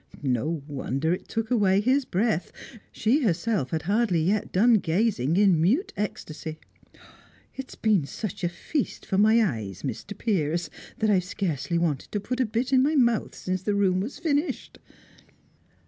No wonder it took away his breath! She herself had hardly yet done gazing in mute ecstasy. "It's been such a feast for my eyes, Mr. Piers, that I've scarcely wanted to put a bit in my mouth since the room was finished!"